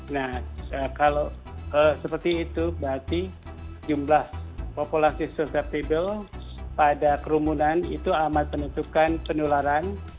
nah kalau seperti itu berarti jumlah populasi surceptable pada kerumunan itu amat menentukan penularan